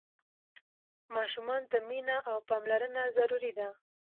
ماشومانو ته مينه او پاملرنه ضروري ده.